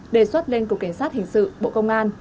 đề xuất lên cục cảnh sát hình sự bộ công an